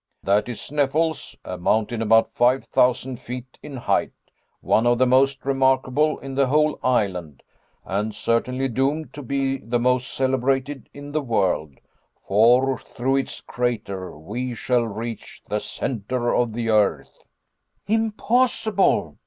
"That is Sneffels a mountain about five thousand feet in height, one of the most remarkable in the whole island, and certainly doomed to be the most celebrated in the world, for through its crater we shall reach the centre of the earth." "Impossible!"